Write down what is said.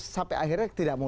sampai akhirnya tidak mau